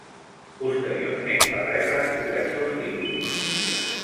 Posteriorment va rebre diversos títols.